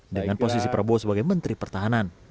dengan posisi prabowo sebagai menteri pertahanan